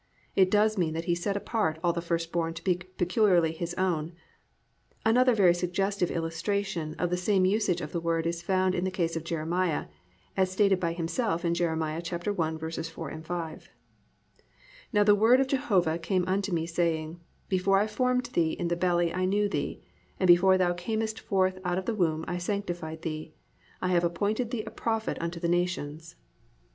It does mean that He set apart all the first born to be peculiarly His own. Another very suggestive illustration of the same usage of the word is found in the case of Jeremiah as stated by himself in Jer. 1:4, 5, +"Now the word of Jehovah came unto me saying, before I formed thee in the belly I knew thee; and before thou camest forth out of the womb I sanctified thee: I have appointed thee a prophet unto the nations."